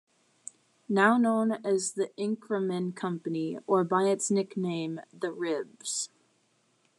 Now known as the Inkerman Company, or by its nickname "The Ribs".